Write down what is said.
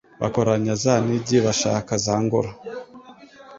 Bakoranya za nigi bashaka za ngoro